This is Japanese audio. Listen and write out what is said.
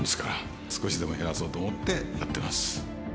少しでも減らそうと思ってやってます。